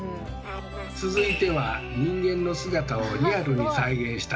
続いては人間の姿をリアルに再現したかかしですね。